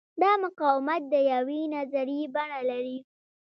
دا مقاومت د یوې نظریې بڼه لري.